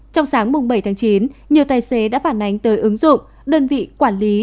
trong sáng bảy tháng chín nhiều tài xế đã phản ánh tới ứng dụng đơn vị quản lý